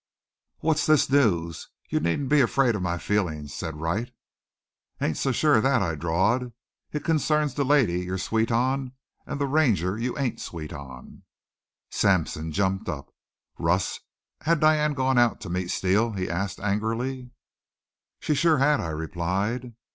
"What's this news? You needn't be afraid of my feelings," said Wright. "Ain't so sure of that," I drawled. "It concerns the lady you're sweet on, an' the ranger you ain't sweet on." Sampson jumped up. "Russ, had Diane gone out to meet Steele?" he asked angrily. "Sure she had," I replied.